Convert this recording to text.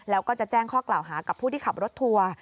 แล้วก็จะแจ้งข้อกล่าวหากับผู้ที่ขับรถทัวร์